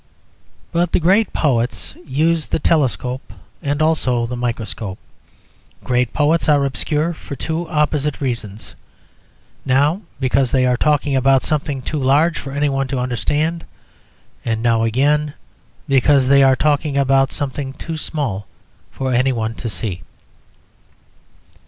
But great poets use the telescope and also the microscope. Great poets are obscure for two opposite reasons; now, because they are talking about something too large for any one to understand, and now again because they are talking about something too small for any one to see.